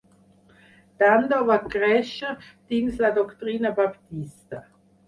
Dando va créixer dins la doctrina baptista.